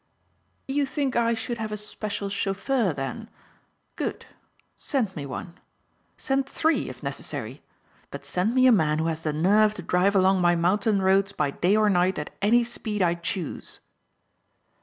"You think I should have a special chauffeur then? Good. Send me one. Send three if necessary but send me a man who has the nerve to drive along my mountain roads by day or night at any speed I choose."